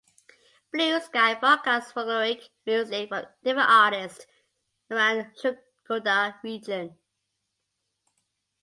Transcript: Blue Sky broadcasts folkloric music from different artists around Shkoder region.